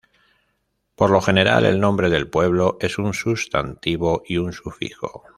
Por lo general, el nombre del pueblo es un sustantivo y un sufijo.